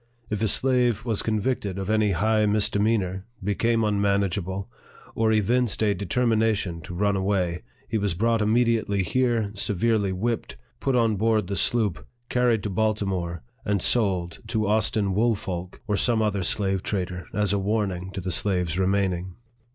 If a slave was convicted of any high misde meanor, became unmanageable, or evinced a deter mination to run away, he was brought immediately here, severely whipped, put on board the sloop, carried to Baltimore, and sold to Austin Woolfolk, or some other slave trader, as a warning to the slaves remaining.